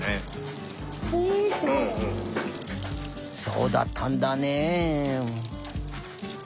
そうだったんだね。